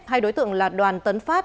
hai đối tượng là đoàn tấn phát